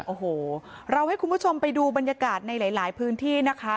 โอ้โหเราให้คุณผู้ชมไปดูบรรยากาศในหลายพื้นที่นะคะ